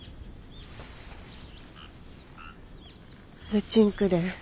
うちんくで。